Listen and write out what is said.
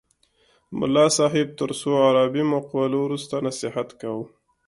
ملا صاحب تر څو عربي مقولو وروسته نصیحت کاوه.